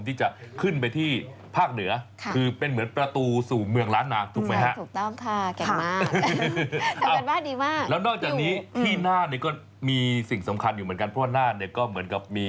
ที่จะขึ้นไปที่ภาคเหนือคือเป็นเหมือนประตูสู่เมืองล้านนาถูกไหมฮะ